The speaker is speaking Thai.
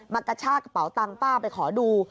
กระชากระเป๋าตังค์ป้าไปขอดู